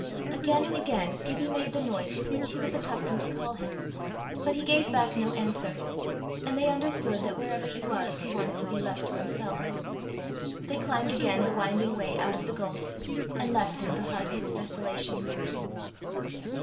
Again and again Gibbie made the noise with which he was accustomed to call him, but he gave back no answer, and they understood that wherever he was he wanted to be left to himself. They climbed again the winding way out of the gulf, and left him the heart of its desolation.